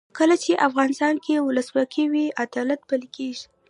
کله چې افغانستان کې ولسواکي وي عدالت پلی کیږي.